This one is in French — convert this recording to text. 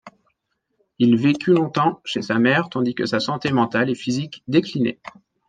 Il vécut longtemps chez sa mère tandis que sa santé mentale et physique déclinait.